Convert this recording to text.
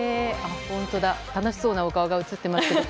楽しそうなお顔が映っていますけど。